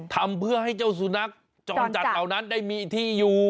ทำเพื่อให้เจ้าสุนัขจรจัดเหล่านั้นได้มีที่อยู่